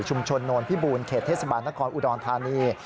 ชุมชนนวลพี่บูรรณ์เขตเทศบาลนครอุดรธานี